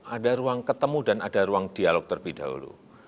ada ruang ketemu dan ada ruang dialog terlebih dahulu